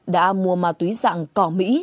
đã mua ma túy dạng cỏ mỹ